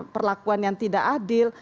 perlakuan yang tidak adil